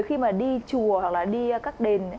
khi mà đi chùa hoặc là đi các đền